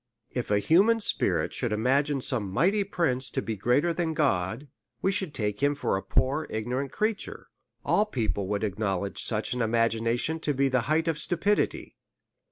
If a human spirit should imagine some mighty prince to be greater than God, we should take it for a poor ignorant creature ; all people would acknowledge such an imagination to be the height of stupidity.